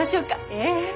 ええ。